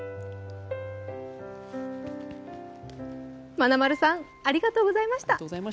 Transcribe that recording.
まなまるさんありがとうございました。